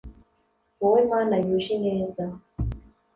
wowe mana yuje ineza